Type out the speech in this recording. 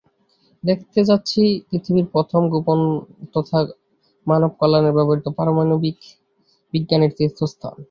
দেখতে যাচ্ছি পৃথিবীর প্রথম, গোপন তথা মানব কল্যাণে ব্যবহৃত পারমাণবিক বিজ্ঞানের তীর্থস্থান।